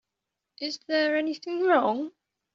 Is there anything wrong?